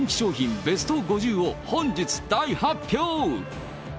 ベスト５０を本日大発表。